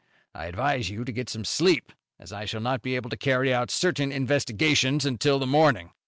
I advise you to get some sleep, as I shall not be able to carry out certain investigations until the morning.